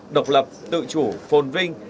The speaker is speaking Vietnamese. độc lập tự chủ phồn vinh